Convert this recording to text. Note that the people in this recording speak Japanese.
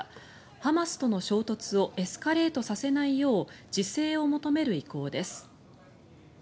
ハマスとの衝突をエスカレートさせないよう自制を求める意向です。